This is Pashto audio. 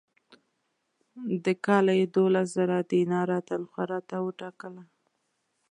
د کاله یې دوولس زره دیناره تنخوا راته وټاکله.